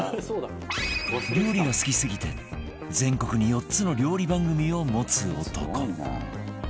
料理が好きすぎて全国に４つの料理番組を持つ男